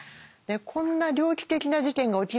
こんな猟奇的な事件が起きるなんて